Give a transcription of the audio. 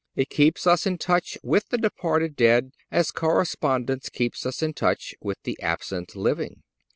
It keeps us in touch with the departed dead as correspondence keeps us in touch with the absent living.